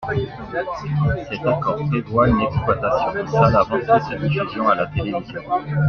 Cet accord prévoit une exploitation en salle avant toute diffusion à la télévision.